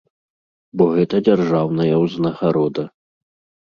Бо гэта дзяржаўная ўзнагарода.